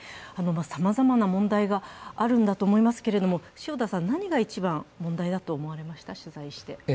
さまざまな問題があるんだと思いますけど何が一番問題だと思われました、取材して？